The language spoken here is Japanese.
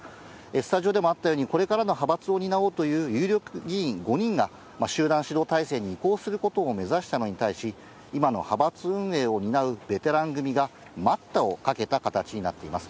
スタジオでもあったように、これからの派閥の担おうという有力議員５人が、集団指導体制に移行することを目指したのに対し、今の派閥運営を担うベテラン組が待ったをかけた形になっています。